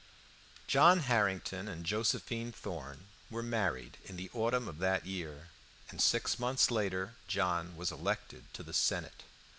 John Harrington and Josephine Thorn were married in the autumn of that year, and six months later John was elected to the Senate.